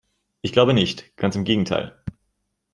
Ich glaube nicht, ganz im Gegenteil.